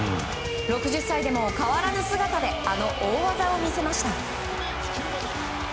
６０歳でも変わらぬ姿であの大技を見せました！